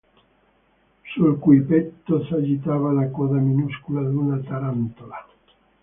Sul cui petto s'agitava la coda minuscola d'una tarantola.